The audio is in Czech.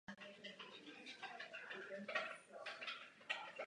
Před revolucí byl členem Komunistické strany Československa.